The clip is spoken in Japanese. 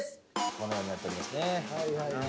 このようになっておりますね。